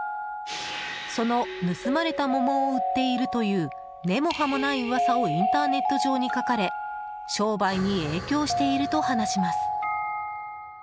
その盗まれた桃を売っているという根も葉もない噂をインターネット上に書かれ商売に影響していると話します。